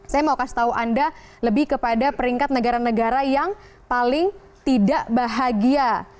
saya mau kasih tahu anda lebih kepada peringkat negara negara yang paling tidak bahagia